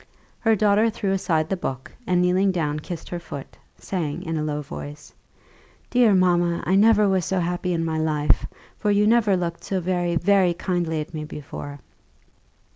Her daughter threw aside the book, and kneeling down kissed her foot, saying, in a low voice, "Dear mamma, I never was so happy in my life; for you never looked so very, very kindly at me before."